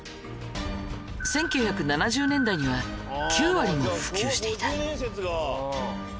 １９７０年代には９割も普及していた。